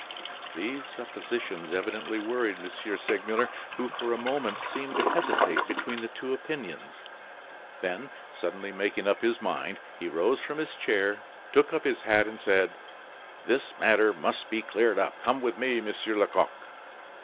These suppositions evidently worried M. Segmuller, who for a moment seemed to hesitate between the two opinions; then, suddenly making up his mind, he rose from his chair, took up his hat, and said: "This matter must be cleared up. Come with me, Monsieur Lecoq."